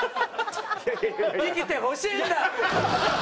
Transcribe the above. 「生きてほしいんだ！」。